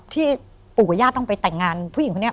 ที่ปู่กับญาติต้องไปแต่งงานผู้หญิงคนนี้